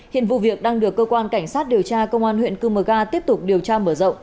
hiện vụ việc đang được cơ quan cảnh sát điều tra công an huyện cư mờ ga tiếp tục điều tra mở rộng